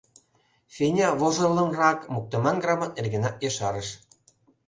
Феня вожылынрак моктыман грамот нергенат ешарыш.